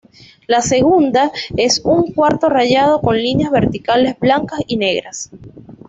La segunda es un cuarto rayado con líneas verticales blancas y negras.